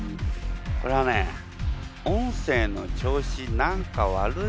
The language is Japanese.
これはね「音声の調子何か悪いな顔」だね。